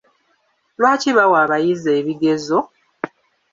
Lwaki bawa abayizi ebigezo?